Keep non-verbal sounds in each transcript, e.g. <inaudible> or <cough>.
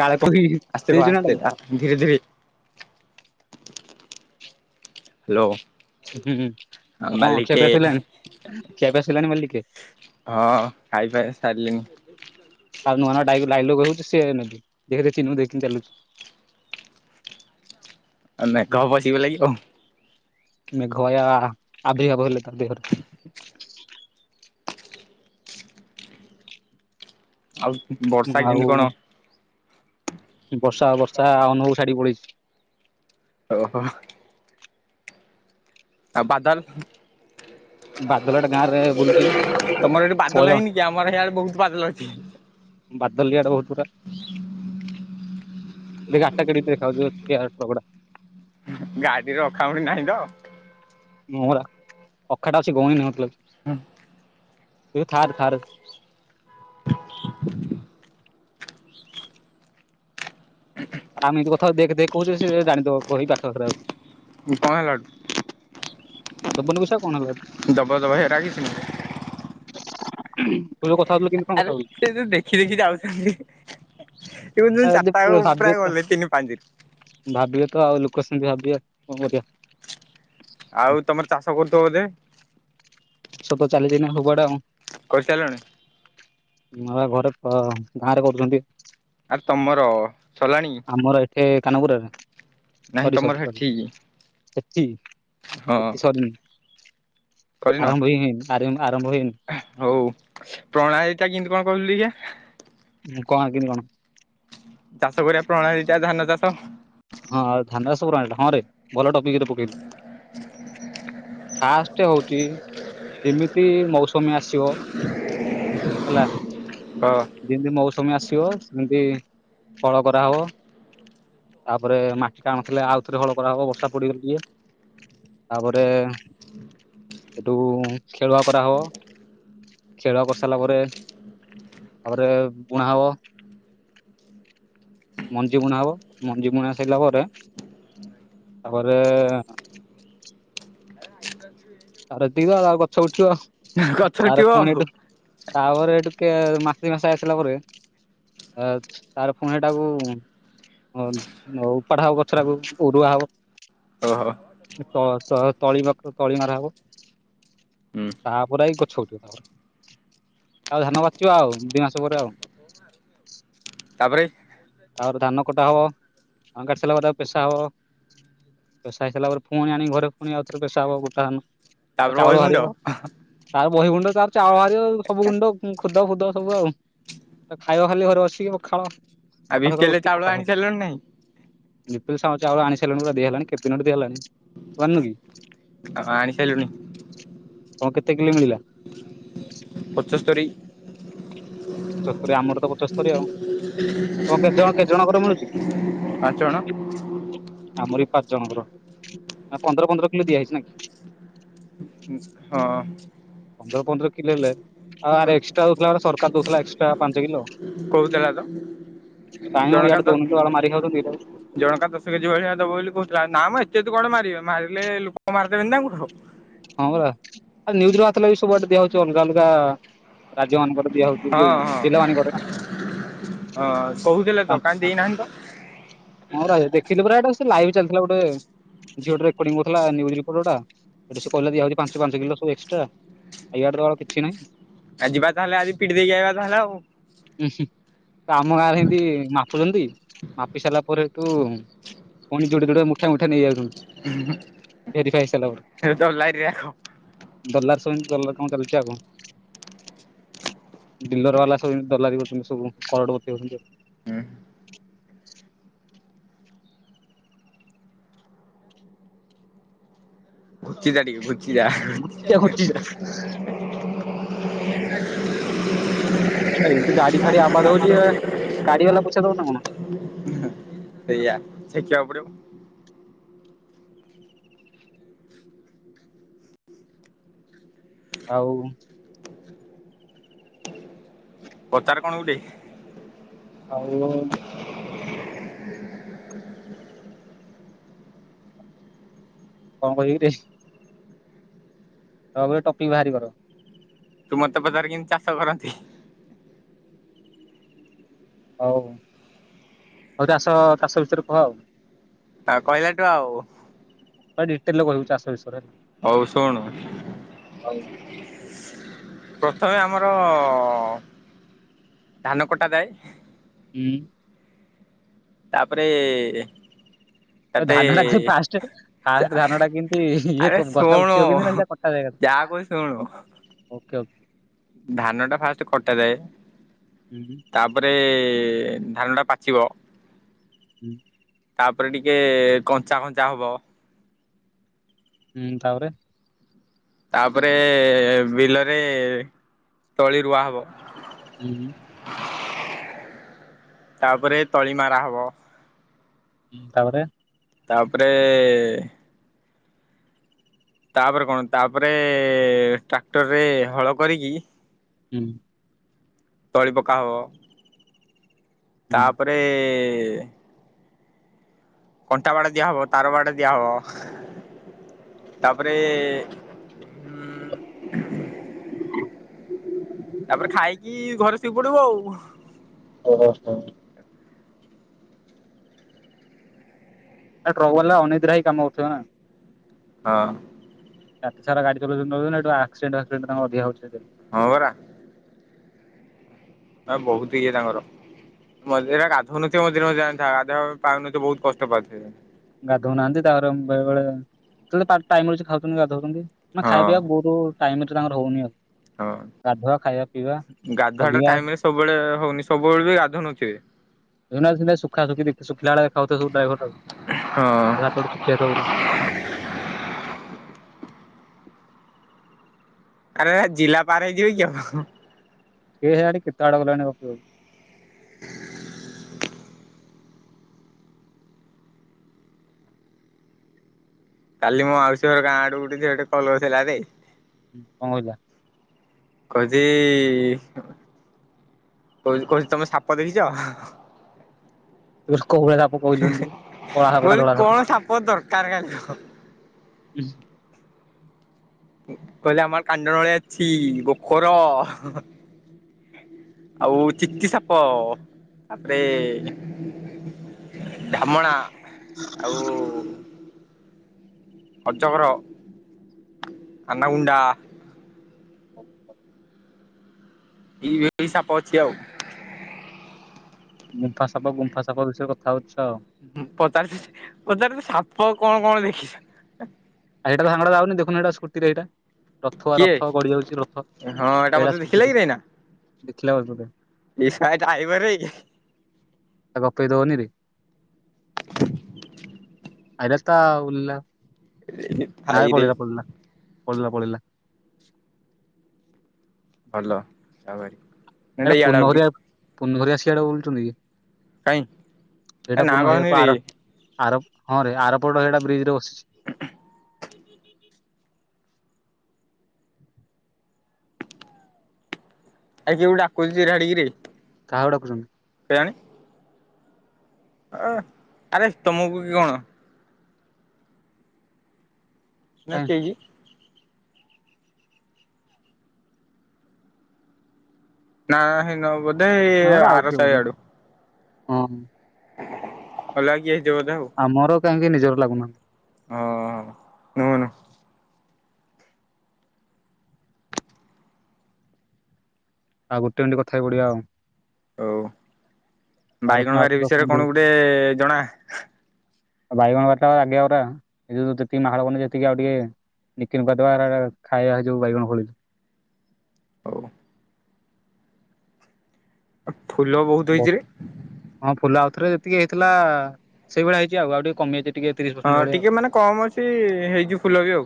କାଳେ କହିକି ଆସ୍ତେ କହ ଦେଇଛୁ ନା ଆସ୍ତେ ତାକୁ ଆ ଧୀରେ ଧୀରେ। ହାଲୋ। ହୁଁ ହୁ ଆଉ କଣ ଖିଆ ପିଆ ସରିଲାଣି? ଖିଆ ପିଆ ସରିଲାଣି ମାଲିକେ? ହଁ ଖାଇ ପାଏ ସାରିଲିନି। <unintelligible> <inaudible> <unintelligible> ଆଉ ବର୍ଷା ଆଉ କେମିତି କଣ ବର୍ଷା ବର୍ଷା ଅନୁଭବ କୁ ଛାଡିକି ପଳେଇଛି। ଓହୋ। ଆଉ ବାଦଲ୍? ବାଦଲ ଟା ଗାଁ ରେ ବୁଲୁଛି ତମର ଇଆଡେ ବାଦଲ୍ ପରେ ହେଇନି କି ଆମର ହିଆଡେ ବହୁତ୍ ବାଦଲ୍ ଅଛି। ବାଦଲ୍ ଇଆଡେ ବହୁତ୍ ପରା। ଏ ଗାଡିଟା କେଡିକି ଟିକିଏ ଦେଖାଯାଉଚି <unintelligible> ଗାଡ଼ିର ଆଖା ଗଉଣି ନାହିଁ ତ? ମୋରା ଅଖାଟା ଅଛି ଗଉଣି ନଥିଲା ହୁଁ। ତୁ ଥାରେ ଥାରେ। <inaudible> ଆମେ ଏମିତି କଥା ହୋଉ ଦେଖେ ଦେଖେ କହୁଛେ ସେ ଜାଣିଦବ କହିିବ ଏଇ ପାଖାଆଖରେ ଅଛି। କଣ ହେଲା ଦବନି ପଇସା କଣ ହେଲା। ହେଠୁ ଦବ ଦବ ହେରା କିଛି ନୁହଁ। <unintelligible> କଥା ଆବେ ସେ ଯୋଉ ଦେଖି ଦେଖି ଯାଉଛନ୍ତି। ସେ କହିଛନ୍ତି ହଉଥିଲୁ ଚାରିଟାଙ୍କ ପୁରା ଗଲେ ତିନି ପାଞ୍ଚି ରୁ। ଭାବିବେତ ଆଉ ଲୋକ ସେମିତି ଭାବିବେ କଣ କରିବା। ଆଉ ତମର ଚାଷ କରୁଛ ବୋଧେ? ସବୁ ଚାଲିଛିିନା ସବୁ ଆଡେ ଆଉ। କରିସାରିଲଣି? <unintelligible> ଘରେ ତ ଧାରେ କରୁଚନ୍ତି। ଆରେ ତମର ସରିଲାଣି? ମୋର ଏତେ କାନପୁରା ରେ ନାହିଁ ସରି ତମର ସରି ସରି ସେଠି ହେଚି ହଁ ଏଠି ସରିନି ଆରମ୍ଭ ହୀ ହେଇନି ସାରିମୁ ଆରମ୍ଭ ହେଇନି। ହୋଉ ପ୍ରଣାଳୀ ଟା କେମିତି କଣ କହିଲୁ ଦେଖିଆ? କଁ ଆଁ କିିଣି କଣ? ଚାଷ କରିବା ପ୍ରଣାଳୀ ଟା ଧାନ ଚାଷ। ହଁ ଆ ଧାନ ସବୁ <unintelligible> ହଁରେ ଭଲ ଟପିକ୍ ଟେ ପକେଇଲୁ। ଫାଷ୍ଟ ହୋଉଚି ଯିମିତି ମୌସୁମୀ ଆସିବ। ହେଲା। ଅ ଯିମିତି ମୌସୁମୀ ଆସିବ ସେମିତି ହଳ କରାହବ। ତାପରେ ମାଟି ଟାଣ ଥିଲେ ଆଉଥରେ ହଳ କରା ହବ ବର୍ଷା ପଡିଗଲେ ଟିକେ। ତାପରେ ହେଠୁ ଖେଳୁଆ କରା ହବ। ଖେଳ କରିସାରିଲା ପରେ ତାପରେ ବୁଣା ହବ। ମଞ୍ଜି ବୁଣା ହବ। ମଞ୍ଜି ବୁଣା ସଇଲା ପରେ ତାପରେ ତାରେ ଏତିକି ତ ଆଉ ଗଛ ଉଠିବ ଗଛଟିବ ତାରେ ଆଉ ପୁଣି ହେଠୁ ତାପରେ ହେଠୁ ଟିକେ ମାଟି ନେସା ହେଇସାରିଲା ପରେ ଆ ତାପରେ ଫୁଣି ହେଟାକୁ ହଁ ଉପାଡା ହବ ଗଛ ଟାକୁ ଉଡୁଆ ହବ। ଓହୋ। ସେ ତ ତ ତଳି ରଖ ତଳି ମାରା ହବ। ହୁଁ ତାପରେ ଆଇ ଗଛ ଉଠିବ ତାପରେ ଆଉ ଧାନ ପା ଚିବ ଆଉ ଦି ମାସ ପରେ ଆଉ। ତାପରେ ତାପରେ ଧାନ କଟା ହବ ଆ କାଟିି ସାରିଲା ପରେ ପେସା ହବ। ପେସା ହେଇସାରିଲା ପରେ ପୁଣି ଆଣି ଘରେ ପୁଣିଆଉଥରେ ପେସା ହବ ଗୋଟା ଧାନ ତାପରେ ଚାଉଳ ବହିଗୁଣ୍ଡ ବାହାରିବ। ଆଉ ତା ବହି ଗୁଣ୍ଡ ତାର ଚାଉଳ ବାହାରିିବ ସବୁ ଗୁଣ୍ଡ ଖୁଦ ଫୁଦ ସବୁ ଆଉ। ଖାଇବା ଖାଲି ଘରେ ବସିକି ପଖାଳ ପଖାଳ ବିପିଏଲ ଉଠିକ ଚାଉଳ ଆଣି ପଖାଳ। ସାରିଲଣି ନାଇଁ ଲିପିଲ ସାଉ ଚାଉଳ ଆଣିସାଇଲୁଣୁ ଦିଆ ହେଲାଣି କେତେ ଦିନଟୁ ଦିଆ ହେଲାଣି ତୁ ଆଣିନୁ କି? ଆ ଆଣି ସାଇଲୁଣି। ତମ କେତେ କିଲି ମିଳିଲା? ପଚସ୍ତରୀ। ପଚସ୍ତରୀ ଆମର ତ ପଚସ୍ତରୀ ଆଉ, ତମ କେ ଜଣ କେ ଜଣଙ୍କର ମିଳୁଚି? ପାଞ୍ଚ ଣ। ଆମର ବି ପା ଜଣଙ୍କର ପନ୍ଦର ପନ୍ଦର କିଲ ଦିଆ ହେଇଚି ନା କି? ହଁ। ପନ୍ଦର ପନ୍ଦର କିଲ ହେଲେ ଆଉ ଆର୍ ଏକ୍ସଟ୍ରା ଦଉଥିଲା ସରକାର ଦଉଥିଲା ଏକ୍ସଟ୍ରା ପାଞ୍ଚ କିଲ। କହୁଥିଲା ତ କାଇଁ ମ ଇଆଡ଼େ ଦୋଉନି ତ ବାଳ ମାରି ଖାଉଚନ୍ତି। ଜଣକା ଦଶ କେଜି ଭଳିଆ ଦବ ବୋଲି କହୁଥିଲା ନା ମ ଏତେ ଏତେ କୁଆଡୁ ମାରିବେ ମାରିଲେ ଲୋକ ମାରିଦେବନି ତାଙ୍କୁ। ହଁ ପା ଆ ନ୍ୟୁଜ ରେ ବାହାଥିଲା ବି ସବୁଆଡେ ଦିଆ ହଉଛି ଅଲଗା ଅଲଗା ରାଜ୍ୟମାନଙ୍କରେ ଦିଆ ହଉ। ହଁ ହଁ ହଁ କହୁଥିଲେ ତ କାଇଁ ଦେଇନାହାନ୍ତି ତ। ମୁଁ ରା ଦେଖିଲି ପୁରା ଏଟା ସେ ଲାଇଭ ଚାଲିଥିଲା ଗୋଟେ। ଝିଅଟେ ରେକଡିଂ କରୁଥିଲା ନିୟୁଜ ରିପୋର୍ଟ ଟା ସେ କହିଲା ଦିଆ ଯିବ ପାଞ୍ଚ ପାଞ୍ଚ କିଲ ସବୁ ଏକ୍ସଟ୍ରା। ଇଆଡେ <unintelligible> କିଛି ନାଇଁ। ଆ ଯିବା ତାହେଲେ ଆଜି ପିଟ ଦେଇକି ଆଇବା ତାହେଲେ ଆଉ। ଉଁ ହୁଁ ତ ଆମ ଗାଁରେ ଏମତି ମାପୁଛନ୍ତି? ପି ସାରିଲା ପରେ ହେଟୁ ପୁଣି ଯୋଡେ ଯୋଡେ ମୁଠା ମୁଠା ନେଇ ଯାଉଛନ୍ତି। <unintelligible> ଭେରି ଫା ହେଇ ଶାଇଲା ପରେ। <unintelligible> ଦଲାର ସେମିତି ଦଲାର କାମ ଚାଲିଛି ଆଉ କଁ। ଡିଲର ବାଲା ସବୁ ଯେମତି ଦଲାରୀ ସବୁ କୋରଡପତି ହେଉଛନ୍ତି ଆଉ। ହୁଁ ଘୁଚି ଯା ଟିକେ, ଘୁଚି ଯା। କିଏ ହଉଚି ଏଇଠି ଗାଡି ଫାଡି ଆବାଜ ହଉଛି ଗାଡି ବାଲା ପଇସା ଦବନା କଣ? ସେଇଆ ସିଖି ବାକୁ ପଡିବ। ଆଉ। ପଚାର କଣ ଗୋଟେ? ଆଉ କଁ କହିବିରେ? ତାପରେ ଟପିକ ବାହାରି ବ ରଅ। ତୁ ମତେ ପଚାର କେନି ଚାଷ କରନ୍ତି। ହଉ, ହଉ ଚାଷ ଚାଷ ବିଷୟରେ କୁହ ଆଉ। ଆ କହିଲାଠୁ ଆଉ। ଡିଟେଲ କହିବୁ ଚାଷ ବିଷୟରେ ହେଲା। ହଉ ଶୁଣୁ। ହଉ ପ୍ରଥମେ ଆମର ଧାନ କଟା ଯାଏ। ହୁଁ। ତାପରେ ତତେ ଧାନ ଟା ଫାଷ୍ଟ ଫାଷ୍ଟ ଧାନ ଟା କେମିତି ଇଏ ଆରେ ଗଛଟା ଶୁଣୁ। ଉଠିବ କେମିତି ନା ସେଟା କଟା ଯାଏ ଯା କହୁଛି ଶୁଣୁ। ଓକେ ଓ ଧାନଟା ଫାଷ୍ଟ କଟାଯାଏ। ହୁଁ ହୁଁ। ତାପରେ ଧାନଟା ପାଚିବ। ହୁଁ ହୁଁ। ତାପରେ ଟିକେ କଞ୍ଚା କଞ୍ଚା ହବ। ହୁଁ ତା ପରେ ତାପରେ ବିଲରେ ତଳି ରୁଆହବ। ହୁଁ ହୁଁ। ତାପରେ ତଳିମାରା ହବ। ହୁଁ ତାପରେ। ତାପରେ ଏ ଏ ତାପରେ କଣ ତାପରେ ଟ୍ରାକ୍ଟରରେ ହଳ କରିକି ହୁଁ। ତଳି ପକା ହେବ ହୁଁ। ତାପରେ କଣ୍ଟା ବାଡ ଦିଆ ହବ ତାର ବାଡ ଦିଆହବ ତାପରେ ଏ ଏ ତାପରେ ଖାଇକି ଘରେ ଶିପଡିବ ଆଉ। ଓହୋ ହୋ। ଏ ଟ୍ରକ ବାଲା ଅନିଦ୍ରା ହେଇ କାମକରୁଥିବ ନା। ହଁ। ରାତି ସାରା ଗାଡ଼ି <inaudible> ଚଲଉଛନ୍ତି ଆକ୍ସିଡେଣ୍ଟ ଫାକ୍ସିଡେଣ୍ଟ ଅଧିକ ହଉଛି ହଁ ପରା। ଆ ବହୁତ ଇଏ ତାଙ୍କର। ମଝିରେ ଗାଧନଥିବ ମଝିରେ ମଝିରେ ଜାଣିଥା ଗାଧୋଇବା ପାଉନଥେ ବହୁତ କଷ୍ଟ ପାଉ ଥିବେ ଗାଧଉନାହାନ୍ତି ତାପରେ ବେଳେ ବେଳେ ଯେତେବେଳତାର ଟାଇମ ମିଳୁଛି ଖାଉଛନ୍ତି ଗାଧଉଛନ୍ତି। ମାନେ ହଁ ଖାଇବା ପିଇବା ବହୁତ ଟାଇମରେ ତାଙ୍କର ହଉନି ଆଉ। ହଁ। ଗାଧୁଆ ଖାଇବା ପିଇବା। ଗାଧୁଆ ଟା ଜଗିବା ଟାଇମ ରେ ସବୁବେଳେ ହଉନି ସବୁବେଳେ ବି ଗାଧୁଉ ନଥିବେ। <inaudible> ଶୁଖା ଶୁଖି ଶୁଖିଲା ଭଳିଆ ଦେଖାଯାଉଥିବ ସବୁ ଡ୍ରାଇଭର ହଁ ତାକୁ ହାତ ଗୋଡ଼ ଶୁଖିଯାଇଥିବ ବହୁତ୍ ଆରେ ଜିଲ୍ଲା ପାର ହେଇ ଯିବି କି ଆଉ। କି ଜାଣି କେତେ ବାଟ ଗଲାଣି ଓପିଓ। କାଲି ମୋ ମାଉସି ହର ଗାଁ ଆଡୁ ଗୁଟେ ଝିଅ କଲ୍ କରିଥିଲା ରେ। କଣ କହିଲ? କହୁଛି କହୁଚି କହୁଚି ତମେ ସାପ ଦେଖିଛ? କୋଭଳିଆ ସାପ କହିଲୁନି କଳା ସାପ ମୁଁ ନ କହିଲି ଧଳା କଣ ସାପ? ଦରକାର କାଲି କି୍ <unintelligible> କହିଲି ଆମର କାଣ୍ଡନଳିଆ ଅଛି ଗୋଖର। ଆଉ ଚିତି ସାପ ତାପରେ ଧାମଣା ଆଉ ଅଜଗର ଆନାଗୁଣ୍ଡା ହ ଇଏ ଏଇ ସାପ ଅଛି ଆଉ। ଗୁମ୍ଫା ସାପ ଗୁମ୍ଫା ସାପ ବିଷୟରେ କଥା ହଉଛ? ହୁଁ, ପଚାରିଛିଚି ପଚାରୁଚି ସାପ କଣ କଣ ଦେଖିଛ। ଆ, ଏଇଟା ସାାଙ୍ଗଟା ଯାଉନି ଦେଖୁନୁ ଏଇଟା ସ୍କୁଟି ରେ ହେଇଟା। ଥୁଆ କିଏ ରଥ ଗଡ଼ି ଯାଉଛି ରଥ ହଁ ଏଇଟା ଏଇଡ଼ା ମତେ ଦେଖିଲା ସ୍କୁଟି <unintelligible> ଦେଖିଲା ବୋଧେ ତୋତେ। ନିଶା ଡାଇଭର ହେଇକି ତାକୁ ରଖେଇ ଦବନିରେ। <unintelligible> ଆଉ ଉଲା ନା ଏ ଭାଇରେ ପଡିଗଲା ପଲା ପଲା ପଡିଲା। ଭଲ <unintelligible> ଏଇଟା ଇଆଡେ ପୂନ ଆଉଛି ହରିଆ ପୂନୁହରିଆ ସିଆଡେ ବୁଲୁଚନ୍ତି କି? କାଇଁ ଏ ଏଇଟା ନା ପୂର୍ଣ୍ଣ ହେ କହନି ରେ ପାହାଡ ଆ ଆର ହଁ ରେ ଆରପଟ ସେଇଟା ବ୍ରିଜ୍ ରେ ବସିଛି। ଏ ଯୋଉ ମୁଁ ଡାକୁୁଛି ଚିରାଢିକିରେ। କାହାକୁ ଡାକୁଛନ୍ତି? କେୟାଣି। ଅ, ଆରେ ତୋମକୁ କି କଣ? ନା କାଇଁ କେକି। ନା ସେ ନ <unintelligible> ନା ଏଟା ଆଉ କିଏ ବୋଧେ ହଁ, ହଁ। ଅଲଗା କିଏ ହେଇଥିବ ବୋଧେ ଆଉ। ଆମର କାହିଁକି ନିଜର ଲାଗୁନାହାନ୍ତି। ହଁ। ନୁହଁ ନୁ ଆଉ ଗୋଟେ ମିନିଟ୍ କଥା ହେଇପଡିବା ଆଉ। ହଉ ଆର ବାଇଗଣ ପୁଣି ବାରି ବିଷୟରେ ଆଉଥରେ କଣ ଗୋଟେ ଜଣା? ଓ ବାଇଗଣ ବାରି ଟା ଆଗିଆ ଗୁରା ଏଇ ଯୋଉ ତେତିକି ମାଳବନ ଯେତିକି ଆଉ ଟିକେ ନିକିନ୍ କରଦବା <unintelligible> ଖାଇବା ଯୋଉ ବାଇଗଣ ଫଳୁଛି। ହଉ। ଅ, ଫୁଲ ବହୁତ ହେଇଛି ରେ। ହଁ ଫୁଲ ଆଉଥରେ ଯେତିକି ହେଇଥିଲା ସେଇ ଭଳିଆ ହେଇଚି ଆଉ, ଆଉ ଟିକେ କମେଇ ଦେ ହଁ ଟିକେ ମାନେ କମ ଅଛି ହେଇଛିି ଫୁଲ ବି ଆଉ।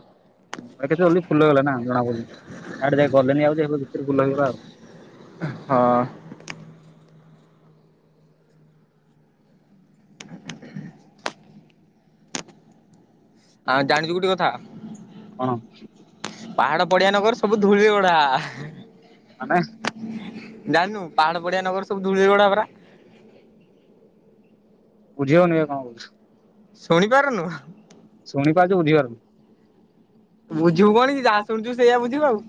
ଆ, କେତେ ଜଲଦି ଫୁଲ ହେଲାନା ଜଣା ପଡୁନି, ଆଡେ କେଇ ଗଲେନି ଆଉ ଯେ ସେ ଭିତରୁ ଫୁଲ ହେଇଗଲା ଆଉ। ହଁ। ଆଁ, ଜାଣିଚୁ ଗୋଟେ କଥା? କଣ? ପାହାଡ, ପଡିଆ, ନଗର ସବୁ ଧୂଳି ରେ ଗଢା। ମାନେ? ଜାଣିନୁ ପାହାଡ ପଡିଆ ନଗର ସବୁ ଧୂଳିରେ ଗଢା ପରା। ବୁଝି ହଉନି ବେ ଏ କଣ କଉଛୁ? ଶୁଣିପାରୁନୁ? ଶୁଣିପାରୁଛୁ ବୁଝିପାରୁନି। ବୁଝିବୁ କଣ କି ଯାହା ଶୁଣିଚୁ ସେୟା ବୁଝିବୁ ଆଉ।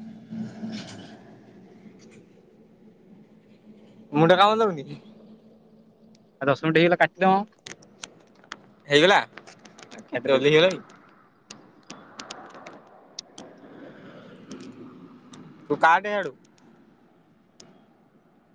<inaudible> ମୁଣ୍ଡ କାମ ଦଉନି କି? ଆ, ଦଶ ମିନିଟ୍ ହେଇଗଲା କାଟିଦମ। ହେଇଗଲା, ଆ, କେତେ କାଟିଦେ ଜଲଦି ହେଇଗଲାଣି। ତୁ କାଟେ ସିଆଡୁ।